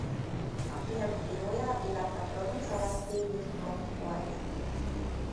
A film írója illetve producere David Croft volt.